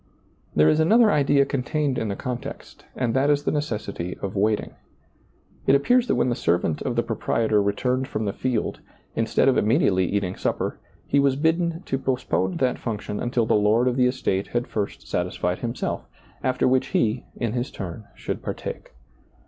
There is another idea contained in the context, and that is the necessity of waiting. It appears that when the servant of the proprietor returned from the field, instead of immediately eating sup per, he was bidden to postpone that function until the lord of the estate had first satisfied himself, after which he, in his turn, should partake.